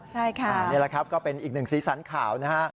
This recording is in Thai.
ใช่ค่ะนี่แหละครับก็เป็นอีกหนึ่งสีสันข่าวนะฮะ